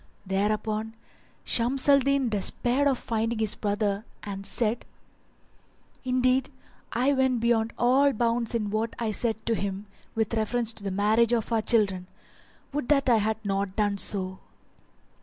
Thereupon Shams al Din despaired of finding his brother and said, "Indeed I went beyond all bounds in what I said to him with reference to the marriage of our children. Would that I had not done so!